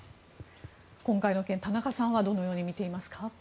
今回の件、田中さんはどのように見ていますか。